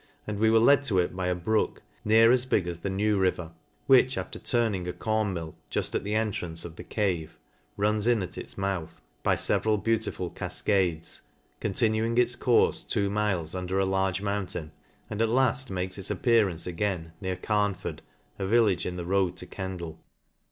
and we were led to it by a brook, near as big as the New River ; which, after turning a corn mill juft at the entrance of the cave, runs in at its mouth by feveral beautiful cafcades, continuing its courfe two miles under a large mountain, and at laffc makes its appearance again near Carnford, a vil lage in the road to Kendal.